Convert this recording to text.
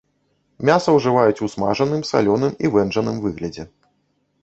Мяса ўжываюць у смажаным, салёным і вэнджаным выглядзе.